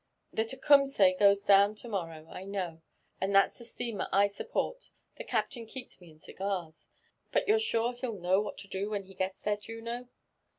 The Tecumsah goes down to morrow, I know; and that's the steamer I support, — the captain keeps me in cigars. But you're sure he'll know what to do when he gets there, Juno?"